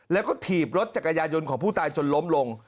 แล้วก็ถีบรถจักรยายนต์ของผู้ตายจนล้มลง